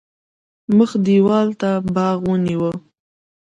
مخ دېوال ته باغ ونیو.